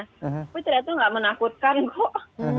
tapi ternyata nggak menakutkan kok